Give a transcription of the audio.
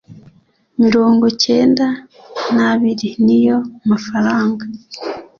mirongo cyenda n abiri niyo mafaranga